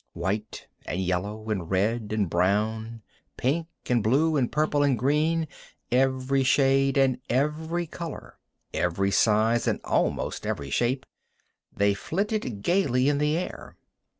White and yellow and red and brown, pink and blue and purple and green, every shade and every color, every size and almost every shape, they flitted gaily in the air.